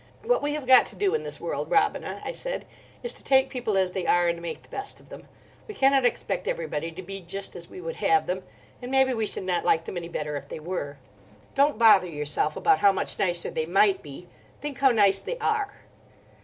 "What we have got to do in this world, Robina," I said, "is to take people as they are, and make the best of them. We cannot expect everybody to be just as we would have them, and maybe we should not like them any better if they were. Don't bother yourself about how much nicer they might be; think how nice they are."